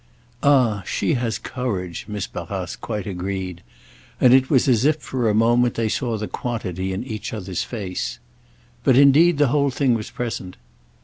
"Ah she has courage!" Miss Barrace quite agreed; and it was as if for a moment they saw the quantity in each other's face. But indeed the whole thing was present.